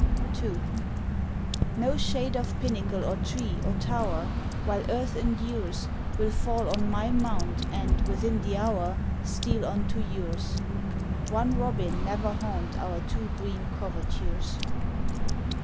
II No shade of pinnacle or tree or tower, While earth endures, Will fall on my mound and within the hour Steal on to yours; One robin never haunt our two green covertures.